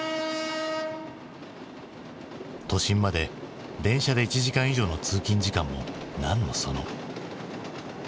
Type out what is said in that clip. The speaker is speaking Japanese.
都心まで電車で１時間以上の通勤時間もなんのその。